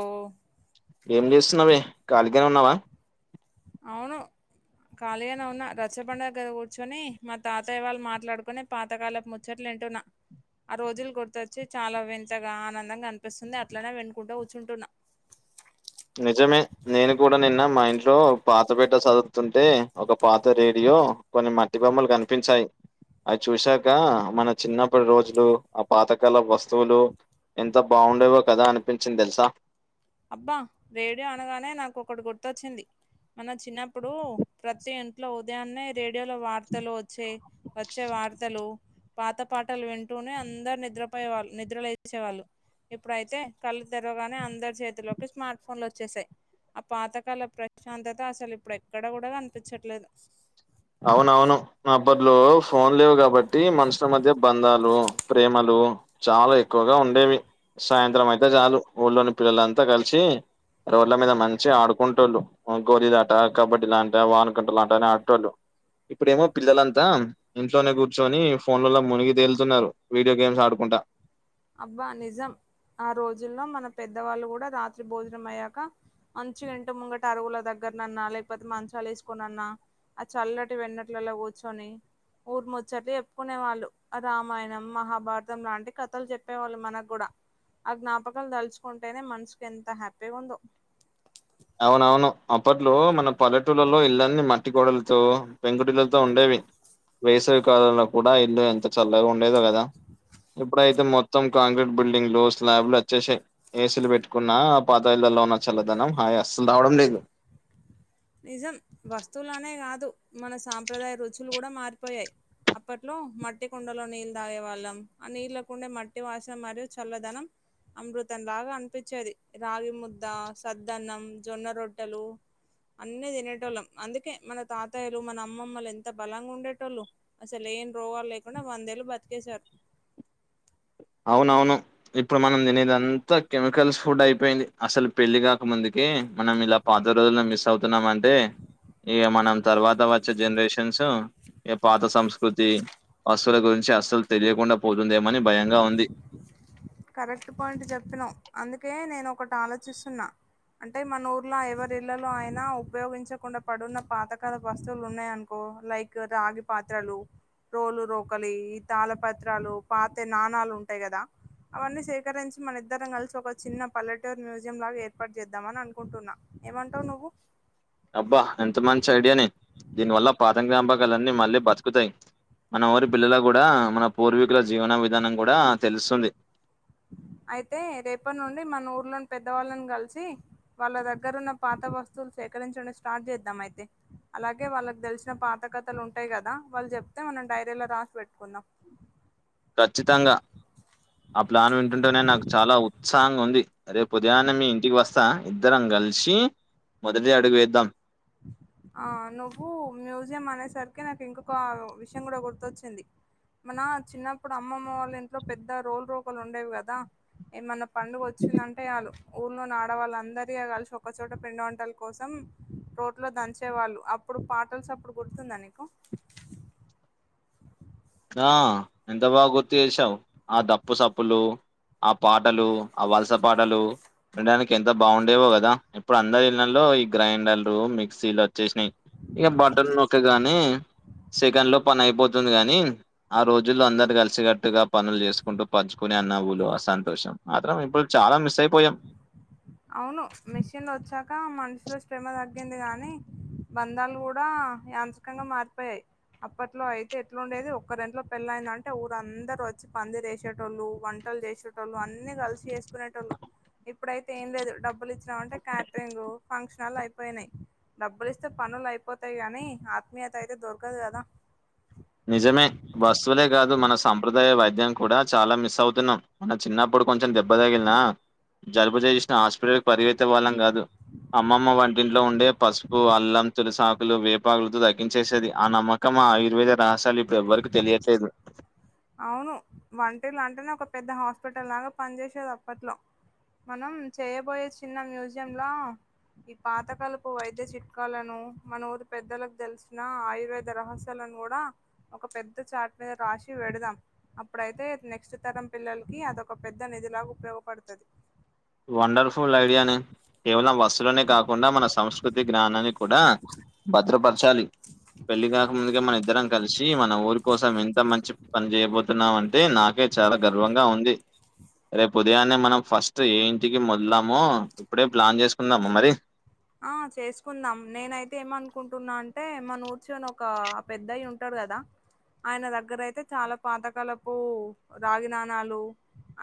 ఓ ఏం చేస్తున్నావే ఖళీగానే ఉన్నావా అవును ఖాళీగానే ఉన్న రచ్చ బండ దగర కూర్చొని మా తాతయ్య వాళ్ళు మాట్లాడుకుని పాత కాలపు ముచ్చటలు వింటున ఆ రోజులు గుర్తొచ్చి చాలా వింతగా ఆనందంగా అనిపిస్తుంది అట్లనే వినికుంటూ కూర్చుంటున్నా. నిజమే నేను కూడా నిన్న మా ఇంట్లో పాత పేట్ సదురుతుంటే ఒక పాత రేడియో కొన్ని మట్టి బొమ్మలు కనిపించాయి అవి చూశాక మన చిన్నప్పటి రోజులు ఆ పాతకాలపు వస్తువులు ఎంత బాగుండేవో కదా అనిపించింది తెలుసా అబ్బా రేడియో అనగానే నాకు ఒకటి గుర్తువచ్చింది మన చిన్నప్పుడు ప్రతి ఇంట్లో ఉదయాన్నే రేడియోలో వార్తలు వచ్చే వచ్చే వార్తలు పాత పాటలు వింటూనే అందరు నిద్రపోయే వాళ్ళు నిద్రలేచెవలు ఇప్పుడైతే కళ్ళు తెరగానే అందరి చేతిల్లోకి స్మార్ట్ ఫోన్లు వచ్చేసాయి ఆ పాతకాలపూ ప్రశాంతత అసలు ఇప్పుడు ఎక్కడ కూడా అనిపించట్లేదు అవునవును అప్పటిలో ఫోన్ లేవు కాబట్టి మనుషుల మధ్య బంధాలు ప్రేమలు చాలా ఎక్కువగా ఉండేవి సాయంత్రం అయితే చాలు ఊళ్ళోని పిల్లలంతా కలిసి రోడ్ల మీద మంచిగా ఆడుకుంట వాళ్ళు గోలీ ఆట కబడ్డీ ఆట వానకంట లాంట అని అడేటో లు ఇప్పుడేమో పిల్లలంతా ఇంట్లోనే కూర్చొని ఫోన్లలో మునిగి తేలుతున్నారు వీడియో గేమ్స్ ఆడుకుంటా అబ్బా నిజం ఆ రోజుల్లో మన పెద్దవాళ్ళు కూడా రాత్రి భోజనం అయ్యాక. అంచు ఇంట ముంగట అరుగుల దగ్గరనన్నా లేకపోతే మంచాలు వేసుకునన్నా ఆ చల్లటి వెన్నెటలలో కూర్చొని ఊరి ముచ్చట్లు చెప్పుకునే వాళ్ళు రామాయణం మహాభారతం లాంటి కథలు చెప్. చెప్పేవాళ్ళు మనకు కూడా ఆ జ్ఞాపకాలు తలుచుకుంటేనే మనసుకి ఎంత హ్యాపీగా ఉందో. అవునవును అప్పట్లో మన పల్లెటూలలో ఇల్లన్నీ మట్టి గోడలతో పెంకిటెంట్లతో ఉండేవి వేసవికాలంలో కూడా ఇల్లు ఎంత చల్లగా ఉండేదో కదా ఇప్పుడైతే మొత్తం కాంక్రీట్ బిల్డింగ్లు స్లాపులు వచ్చేసయి ఏసీలు పెట్టుకున్నా పాత ఇళ్లలో ఉన్న చల్లదనం అయి అసలు రావడం లేదు నిజం వస్తువులు అనే కాదు మన సాంప్రదాయ రుచులు కూడా మారిపోయాయి అప్పట్లో మట్టి కుండలో నీళ్ళు తాగేవాళ్ళం ఆ నీళ్ కుండే మట్టి వాసన మరియు చల్లదనం అమృతం లాగా అనిపిచేది రాగి ముద్ద సద్దన్నం జొన్న రొట్టెలు అన్నీ తినేటోళ్ళం అందుకే మన తాతయలు మన అమ్మమ్మలు ఎంత బలంగా ఉండేటోళ్ళు అసలు ఏం రోగాలు లేకుండా వందేళ్ళు బతికేసారు. అవునవును ఇప్పుడు మనం తినేది అంతా కెమికల్స్ ఫుడ్ అయిపోయింది అసలు పెళ్లి కాక ముందుకి మనం ఇలా పాత రోజుల్లో మిస్ అవుతున్నామ అంటే ఇగా మనం తర్వాత వచ్చే జనరేషన్స్ ఏ పాత సంస్కృతి పశువుల గురించి అసలు తెలియకుండా పోతుందేమని భయంగా ఉంది కరెక్ట్ పాయింట్ చెప్పినవు అందుకే నేను ఒకటి ఆలోచిస్తున్నా అంటే మన ఊర్లో ఎవరి ఇళ్లలో అయినా ఉపయోగించకుండా పడున్న పాతకాల వస్తువులు ఉన్నాయనుకో ఆ లైక్ రాగి పాత్రలు రోలు రోకలి ఈ తాళపత్రాలు పాత నాణాలు ఉంటాయి కదా అవన్నీ సేకరించి మన ఇద్దరం కలిసి ఒక చిన్న పల్లెటూరు మ్యూజియం లాగా ఏర్పాటు చేద్దామని అనుకుంటున్నా ఏమంటావు నువ్వు అబ్బా ఎంత మంచి ఐడియానే దీని వల్ల పాత జ్ఞాపకాలని మళ్ళీ బతుకుతాయి మన ఊరి పిల్లల కూడా మన పూర్వీకుల జీవన విధానం కూడా తెలుస్తుంది అయితే రేపట్ నుండి మన ఊర్లోని పెద్దవాళ్ళని కలిసి వాళ్ళ దగ్గరున్న పాత వస్తువులు సేకరించడం స్టార్ట్ చేద్దాం అయితే అలాగే వాళ్ళకి తెలిసిన పాత కథలు ఉంటాయి కదా వాళ్ళు చెప్తే మనం డైరీలో రాసి పెట్టుకుందాం ఖచ్చితంగా ఆ ప్లాన్ వింటుంటేనే నాకు చాలా ఉత్స సాంగ్ ఉంది రేపు ఉదయాన్న మీ ఇంటికి వస్తా ఇద్దరం కలిసి మొదటి అడుగు వేద్దాం ఆ నువ్వు మ్యూజియం అనేసరికి నాకు ఇంకొక విషయం కూడా గుర్తొచ్చింది మన చిన్నప్పుడు అమ్మమ్మ వాళ్ళ ఇంట్లో పెద్ద రోలు రోకలు ఉండేవి కదా ఏ మన పండుగ వచ్చిందంటే ఆళ్ళు ఊర్లో ఆడవాళ్ళ అందరి కలిసి ఒక్కచోట పిండి వంటల కోసం లో దంచేవాళ్ళు అప్పుడు పాటల్స్ అప్పుడు గుర్తుందా నీకు ఆ ఎంత బాగా గుర్తు చేసావు ఆ దప్పు సప్పులు ఆ పాటలు ఆ వలస పాటలు వినడానికి ఎంత బాగుండేవో కదా ఇప్పుడు అందరు వెళ్ళలో ఈ గ్రైండర్లు మిక్సీలు వచ్చేసినాయి ఇక బటన్ నొక్కగానే సెకండ్ లో పని అయిపోతుంది కాగానీ ఆ రోజుల్లో అందరు కలిసి గట్టుగా పనులు చేసుకుంటూ పంచుకుని ఆ నవ్వులు ఆ సంతోషం ఆ తరం ఇప్పుడు చాలా మిస్ అయిపోయాం అవును మెషిన్ వచ్చాక మనుషులో శ్రమ తగ్గింది కానీ బంధాలు కూడా యాంచ్చికంగా మారిపోయాయి అప్పట్లో అయితే ఎట్లాండేది ఒక్కరింట్లో పెళ్ళయిందంటే ఊరుందరు వచ్చి పందిరేసేటోళ్ళు వంటలు చేసే టోళ్ళు అన్ని కలిసి చేేసుకునేటోళ్ళు ఇప్పుడైతే ఏం లేదు డబ్బులు ఇచ్చినాం అంటే క్యాటరింగ్ ఫంక్షన్లు అయిపోయినాయి డబ్బులి ఇస్తే పనులు అయిపోతాయి గానీ ఆత్మీయత అయితే దొరకదు కదా నిజమే వస్తువులే కాదు మన సంంప్రదాయ వైద్యం కూడా చాలా మిస్ అవుతున్నాం మన చిన్నప్పుడు కొంచెం దెబ్బ తగిలినా జలుబు చేసిన హాస్పిటల్కి పరిగెతే వాళ్ళం కాదు అమ్మమ్మ వంటింట్లో ఉండే పసుపు అల్లం తులసాకు లు వేపాగులతో దగ్గించేసేది ఆ నమ్మకం ఆయుర్వేద రహసలు ఇప్పుడు ఎవ్వరిక తెలియట్లేదు అవును వంటీలు అంటేనే ఒక పెద్ద హాస్పిటల్ లాగా పనిచేసేది అప్పట్లో మనం చేయబోయే చిన్న మ్యూజియం లో ఈ పాత కలుపు వైద్య చిట్కాలను మన ఊరు పెద్దలకు తెలిసిన ఆయుర్వేద రహస్య [unintelligible] కూడా ఒక పెద్ద చాట్ మీద రాసి పెడదాం అప్పుడైతే నెక్స్ట్ తరం పిల్లలకి అదొక పెద్ద నిధిలాగా ఉపయోగపడుతది వండర్ఫుల్ ఐడియానే కేవలం వస్తుసులోనే కాకుండా మన సంస్కృతి జ్ఞానాన్ని కూడా భద్రపరచాలి పెళ్లి కాక ముందుగా మన ఇద్దరం కలిసి మన ఊరి కోసం ఎంత మంచి పని చేయబోతున్నామ్ అంటే నాకే చాలా గర్వంగా ఉంది రేపు ఉదయాన్నే మనం ఫస్ట్ ఏ ఇంటికి మొదలము ఇప్పుడే ప్లాన్ చేసుకుందామా మరి ఆ చేసుకుందాం నేనైతే ఏమనుకుంటున్నా అంటే మా చివర్ణ ఒక పెద్దయి ఉంటారు కదా ఆయన దగ్గర అయితే చాలా పాతకాలపు రాగి నాణాలు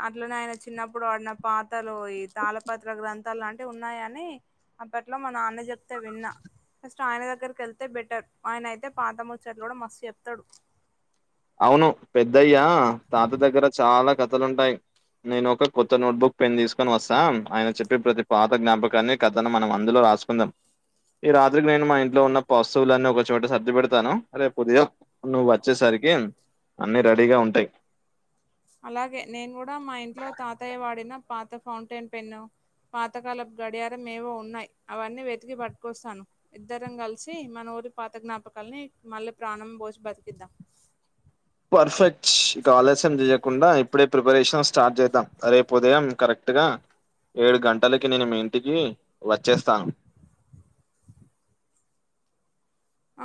అట్లనే ఆయన చిన్నప్పుడు ఆడిన పాత్రలు ఈ తాళపత్ర గ్రంథాలు అంటే ఉన్నాయని అప్పట్లో మా నాన్న చెప్తే విన్నా ఆయన దగ్గరికి వెళ్తే బెటర్ ఆయన అయితే పాత ముచ్చట్లు కూడా మస్తు చెప్తాడు అవును పెద్దయ్యా తాత దగ్గర చాలా కథలుంటాయి నేను ఒక కొత్త నోట్బుక్ పెన్ తీసుకొని వస్తా ఆయన చెప్పే ప్రతి పాత జ్ఞాపకాన్ని కథన మనం అందులో రాసు కున్నాం ఈ రాత్రికి నేను మా ఇంట్లో ఉన్న పస్తువులన్నీ ఒకచోట సర్ది పెడతాను రేపు ఉదయం నువ్వు వచ్చేసరికి అన్నీ రెడీగా ఉంటాయి అలాగే నేను కూడా మా ఇంట్లో తాతయ్య వాడిన పాత ఫౌంటైన్ పెన్ను పాతకాలపు గడియారం ఏవో ఉన్నాయి అవన్నీ వెతికి పట్కోస్తాను ఇద్దరం కలిసి మన ఊరి పాత జ్ఞాపకాల్ని మళ్ళీ ప్రాణం పోసి బతికిద్దాం పర్ఫెక్ట్ చ్ ఇక ఆలస్యం చేయకుండా ఇప్పుడే ప్రిపరేషన్ స్టార్ట్ చేద్దాం రేపు ఉదయం కరెక్ట్గా ఏడు గంటలకి నేను మీ ఇంటికి వచ్చేస్తాను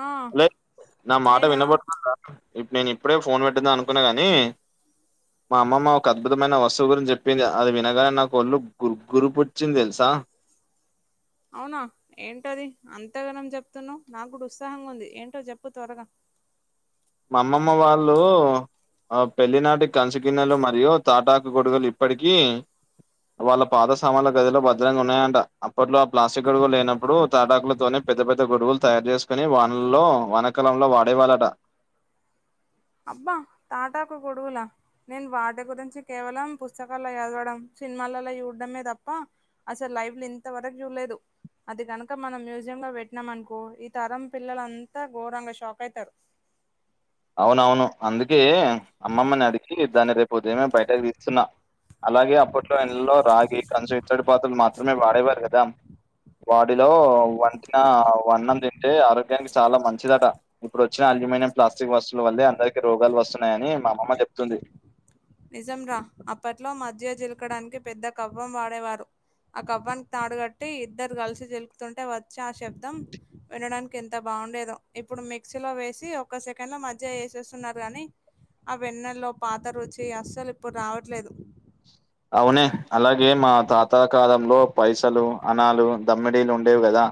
ఆ లే నా మాట నేనా వినబడుతుందా ఇప్ నేను ఇప్పుడే ఫోన్ పెట్టేదాం అనుకున్నా గాని మా అమ్మమ్మ ఒక అద్భుతమైన వస్తువు గురించి చెప్పింది అది వినగానే నాకు ఒళ్ళు గు గురిపు వచ్చింది తెలుసా అవునా ఏంటది అంతగనం చెప్తున్నావు నాకు ఉత్సాహంగా ఉంది ఏంటో చెప్పు త్వరగా మా అమ్మమ్మ వాళ్ళు ఆ పెళ్లినాటి కంచు గిన్నెలు మరియు తాటాకు గొడుగులు ఇప్పడికిీ వాళ్ళ పాత సామాన్ల గదిలో భద్రంగా ఉన్నాయంట అప్పట్లో ఆ ప్లాస్టిక్ గొడుగు లేనప్పుడు తాటకులతోనే పెద్ద పెద్ద గొడుగులు తయారు చేసుకోని వానల్లో వానాకాలంలో వాడే వాళ్ళట అబ్బా తాటాకు గొడుగుల నేను వాటి గురించి కేవలం పుస్తకాల్లో చదవడం సినిమాలలో చూడ్డమే తప్ప అసల్ లైవ్లో ఇంతవరకు చూడలేదు అది గనుక మనం మ్యూజియం లో పెట్నం అనుకో ఈ తరం పిల్లలంతా ఘోరంగా షాక్ అయితారు అవునవును అందుకే అమ్మమ్మని అడిగి దాన్ని రేపు ఉదయమే బయటకి తీస్తున్నా అలాగే అప్పట్లో ఇండ్లలో రాగి కంచు ఇత్తడి పాత్రలు మాత్రమే వాడేవారు కదా బాడిలో వంటిన వన్నం తింటే ఆరోగ్యానికి చాలా మంచిదట ఇప్పుడు వచ్చిన అల్యూమినియం ప్లాస్టిక్ వస్తువుల వల్లే అందరికి రోగాలు వస్తున్నాయని మా అమమ్మ చెప్తుంది నిజం రా అప్పట్లో మజ్జిగ చిలకడానికి పెద్ద కవ్వం వాడేవారు ఆ కవ్వానికి తాడుగట్టి ఇద్దరు కలిసి చిలుకుతుంటే వచ్చి ఆ శబ్దం వినడానికి ఎంత బావుండేదో ఇప్పుడు మిక్సీ లో వేసి ఒక్క సెకండ్ లో మజ్జిగ ఏసేస్తున్నారు గాని అ వెన్నెల్లో పాత రుచి అస్సలు ఇప్పుడు రావట్లేదు అవునే అలాగే మా తాత కాలంలో పైసలు అనాలు దమ్మిడీలు ఉండేవి గదా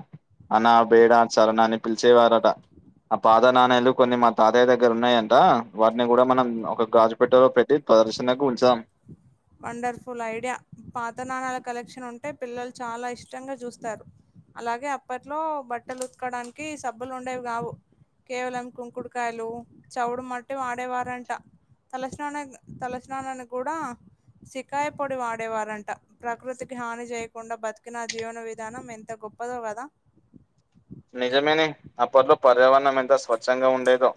అనా బేడా చరన అని పిలిచేవారట అ పాత నాణేలు కొన్ని మా తాతయ్య దగ్గర ఉన్నాయంట వాటిని కూడా మనం ఒక గాజుపెట్టెలో పెట్టీ ప్రదర్శనకు ఉంచాం వండర్ఫుల్ ఐడియా పాత నాణాల కలెక్షన్ ఉంటే పిల్లలు చాలా ఇష్టంగా చూస్తారు అలాగే అప్పట్లో బట్టలు ఉత్కడానికి సబ్బులు ఉండేవి కావు కేవలం కుంకుడుకాయలు చెవుడు మట్టి వాడేవారంట తలస్నాన తలస్నానానికి కూడా సీకాయ పొడి వాడేవారంట ప్రకృతికి హాని చేయకుండా బతికిన జీవన విధానం ఎంత గొప్పదో కదా నిజమేనే అప్పట్లో పర్యావణం ఎంత స్వచ్ఛంగా ఉండేదో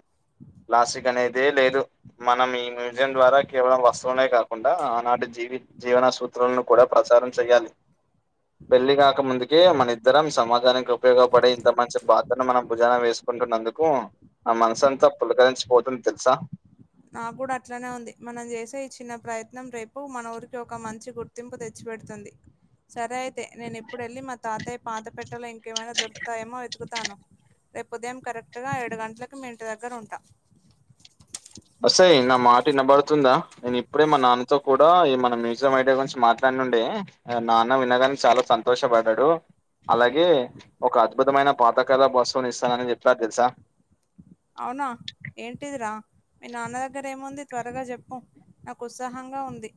ప్లాస్టిక్ అనేదే లేదు మనం ఈ మ్యూజియం ద్వారా కేవలం వస్తువునే కాకుండా ఆనాటి జీవి జీవన సూత్రలను కూడా ప్రచారం చెయ్యాలి పెళ్లి గాక ముందుకె మన ఇద్దరం సమాజానికి ఉపయోగపడే మంచి బాధ్యతను మనం భుజాన వేసుకుంటున్నందుకు నా మనసుంతా పులకరించిపోతుంది తెలుసా నాగుడా అట్లనే ఉంది మనం చేసే ఈ చిన్న ప్రయత్నం రేపు మన ఊరికి ఒక మంచి గుర్ తింపు తెచ్చిపెడుతుంది సరె అయి తే నేను ఇప్పుడు వెళ్ళి మా తాతయ్య పాత పెట్టలో ఇంకేమైనా దొరుతాయేమో వెతుకుతాను రేపు ఉదయం కరెక్ట్గా ఏడు గంటలకి మీ ఇంటి దగ్గర ఉంట ఒసేయ్ నా మాట వినబడుతుందా నేను ఇప్పుడే మా నాన్నతో కూ డా ఈ మన మ్యూజియం ఐడియ గురించి మాట్లాడి నుండే నాన్న వినగానే చాలా సంతోషపడ్డాడు అలాగే ఒక అద్భుతమైన పాతకాల వస్తువుని ఇస్తానని చెప్పినారు తెలుసా అవునా ఏంటిదిరా మీ నాన్న దగ్గర ఏముంది త్వరగా జెప్పు నాకు ఉత్సాహంగా ఉంది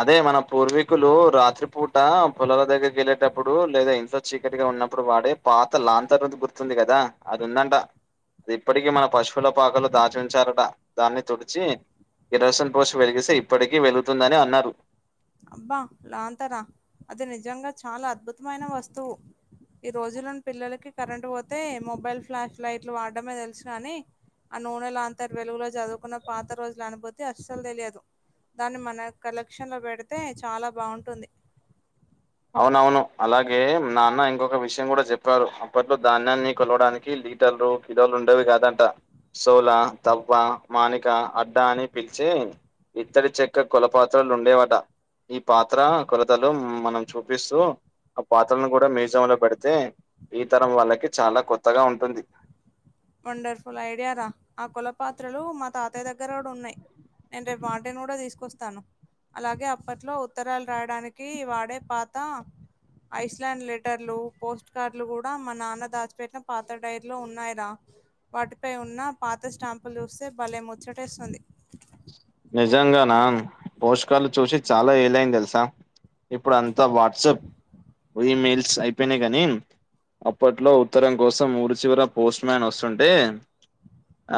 అదే మన పూర్వీకులు రాత్రి పూట పొలాల దగ్గరకిళ్ళేటప్పుడు లేదా ఇంట్లో చీకటిగా ఉన్నప్పుడు వాడే పాత లాంతర్ంది గుర్తుంది కదా అది ఉందంట అది ఇప్పటికీ మన పశువుల పాకలు దాచుించారట దాన్ని తుడిచి కిరోసిన్ పోసి వెలిగిస్తే ఇప్పటికీ వెలుగుతుందని అన్నారు అబ్బా లాంతరా అది నిజంగా చాలా అద్భుతమైన వస్తువు ఈ రోజులోని పిల్లలకి కరెంట్ పోతే మొబైల్ ఫ్లాష్ లైట్లు వాడమే తెలుసు కాని ఆ నూనే లంతర్ వెలుగులో చదువుకున్న పాత రోజుల అనుబుతి అస్సలు తెలియదు దాన్ని మన కలెక్షన్ లో పెడితే చాలా బాగుంటుంది అవునవును అలాగే నాన్న ఇంకొక విషయం కూడా చెప్పారు అప్పట్లో ధాన్యాన్ని కొలవడానికి లీ టర్లు కిలోలు ఉండేవి కాదంట సోల తవ్వ మానిక అడ్డా అని పిల్చే ఇత్తడి చెక్క కోల పాత్రలు ఉండేవాట ఈ పాత్ర కొలతలు మనం చూపిస్తూ ఆ పాత్రలను కూడా మ్యూజియం లో పెడితే ఈ తరం వాళ్ళకి చాలా కొత్తగా ఉంటుంది వండర్ఫుల్ ఐడియా రా ఆ కోల పాత్రలు మా తాతయ్య దగ్గర కూడా ఉన్నాయ్ నేను రేపు వటిన్ కూడా తీసుకొస్తాను అలాగే అప్పట్లో ఉత్తరాలు రాయడానికి వాడే పాత ఐస్ ల్యాండ్ లెటర్లు పోస్ట్ కార్డ్లు కూడా మా నాన్న దాచి పెట్టిన పాత డైర్ లో ఉన్నాయిరా వాటిపై ఉన్న పాత స్టాంపులు చూస్తే భలే ముచ్చటేస్తుంది నిజంగానా పోషకాలు చూసి చాలా ఎలైంది తెలుసా ఇప్పుడు అంతా వాట్సాప్ ఈమెయిల్స్ అయిపోయినాయి కానీ అప్పట్లో ఉత్తరం కోసం ఊరు చివర పోస్ట్ మ్యాన్ వస్తుంటే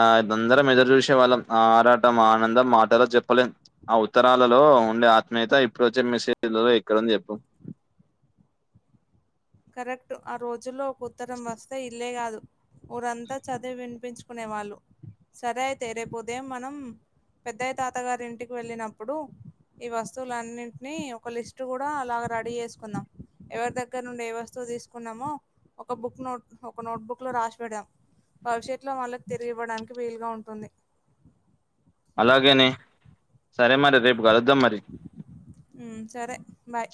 ఆ అద్ అందరం ఎదురు చూసే వాళ్ళం ఆ ఆరాటం ఆనందం మాటళ్ళో చెప్పలేం ఆ ఉత్తరాలలో ఉండే ఆత్మీయత ఇప్పుడు వచ్చే మేసేజ్లలో ఎక్కడుంది చెప్పు కరెక్ట్ ఆ రోజుల్లో ఒక ఉత్తరం వస్తే ఇల్లే కాదు ఊరంతా చదివి వినిపించుకునే వాళ్ళు సరే అయితే రేపు ఉదయం మనం పెద్దయ్య తాత గారి ఇంటికి వెళ్ళినప్పుడు ఈ వస్తువులన్నింటినీ ఒక లిస్ట్ కూడా అలాగ రడీ చేసుకుందాం ఎవరి దగ్గర నుండి ఏ వస్తువు తీసుకున్నామో ఒక బుక్ నోట్ ఒక నోట్ బుక్ లో రాసి పెడుదం భవిష్యత్ లో వాళ్ళకి తిరిగివ్వడానికి వీలుగా ఉంటుంది అలాగేనే సరే మరి రేపు కలుద్దాం మరి మ్ సరే బాయ్